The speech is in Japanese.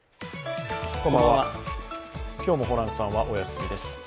今日もホランさんはお休みです。